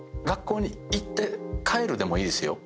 学校に行って帰るでもいいです。